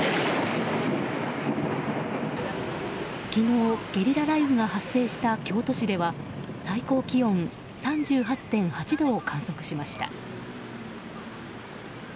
昨日、ゲリラ雷雨が発生した京都市では最高気温３８．８度を観測しました。